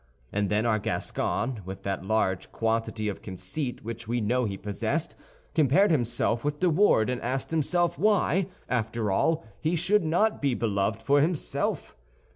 And then our Gascon, with that large quantity of conceit which we know he possessed, compared himself with De Wardes, and asked himself why, after all, he should not be beloved for himself?